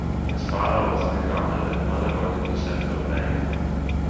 His father was an accountant and mother worked in the Central Bank.